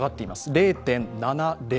０．７０。